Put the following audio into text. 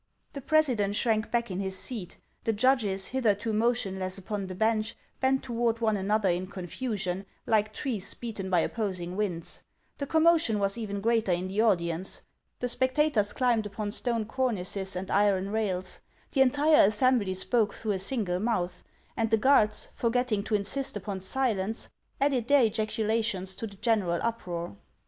The president shrank back in his seat ; the judges, hitherto motionless upon the bench, bent toward one an other in confusion, like trees beaten by opposing winds. The commotion was even greater in the audience. The spectacors climbed upon stone cornices and iron rails ; the entire assembly spoke through a single mouth; and the guards, forgetting to insist upon silence, added their ejaculations to the general uproar.